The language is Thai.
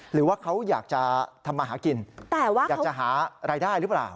หรือว่าเขาอยากจะทำมาหากินแต่ว่าอยากจะหารายได้หรือเปล่า